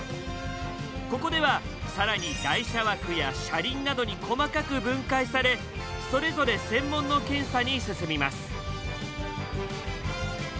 ここでは更に台車枠や車輪などに細かく分解されそれぞれ専門の検査に進みます。